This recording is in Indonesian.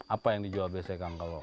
apa yang dijual biasa kang kalau